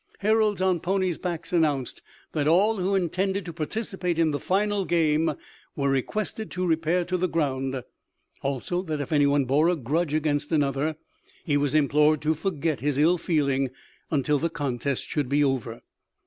Heralds on ponies' backs announced that all who intended to participate in the final game were requested to repair to the ground; also that if any one bore a grudge against another, he was implored to forget his ill feeling until the contest should be over.